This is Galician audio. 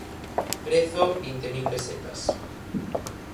Prezo, vinte mil pesetas...